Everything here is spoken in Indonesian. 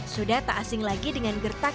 sudah tak asing lagi dengan gertak